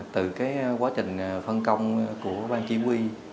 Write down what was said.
từ quá trình phân công của bang chi quy